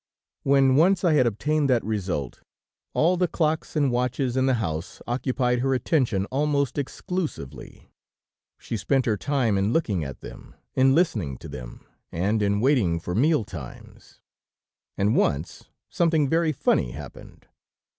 "When once I had obtained that result, all the clocks and watches in the house occupied her attention almost exclusively. She spent her time in looking at them, in listening to them and in waiting for meal times, and once something very funny happened.